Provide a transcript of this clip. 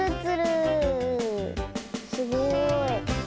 すごい。